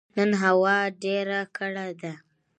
نن هوا ډيره کړه ده